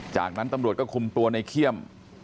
จากนั้นตำรวจก็คุมตัวในเขี้ยม